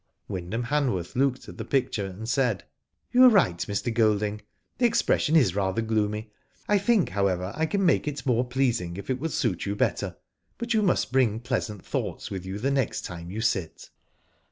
Wyndham Hanworth looked at the picture, and $aid : "You are right, Mr. Golding. The expression is rather gloomy. I think, however, I can make it more pleasing if it will suit you better,: but you must bring pleasant thoughts with you the next time you sit."